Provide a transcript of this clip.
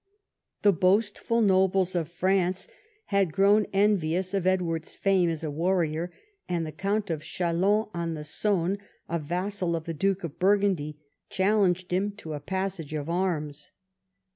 The boastful nobles of France had grown envious of Edward's fame as a warrior, and the Count of Chalon on the Saone, a vassal of the Duke of Burgundy, challenged him to a passage of arms.